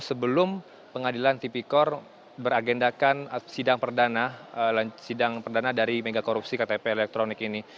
sebelum pengadilan tipikor beragendakan sidang perdana dari mega korupsi ktp elektronik ini